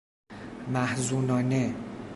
محزونانه